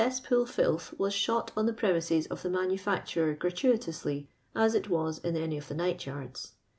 'ipool filth was shot on the premise s of the manufai turer gratuitonslj, as it wns in any of the night yards.